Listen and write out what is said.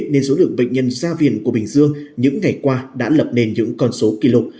nên số lượng bệnh nhân ra viện của bình dương những ngày qua đã lập nên những con số kỷ lục